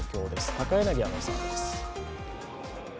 高柳アナウンサーです。